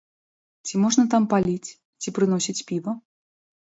Ці можна там паліць ці прыносіць піва?